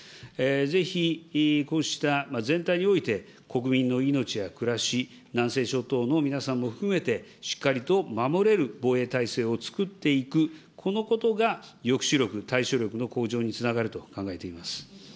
ぜひこうした全体において、国民の命や暮らし、南西諸島の皆さんも含めて、しっかりと守れる防衛体制を作っていく、このことが抑止力、対処力の向上につながると考えています。